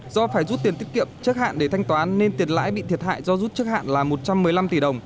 do phải rút tiền tiết kiệm trước hạn để thanh toán nên tiền lãi bị thiệt hại do rút trước hạn là một trăm một mươi năm tỷ đồng